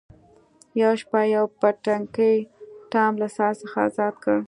یوه شپه یوې پتنګې ټام له ساعت څخه ازاد کړ.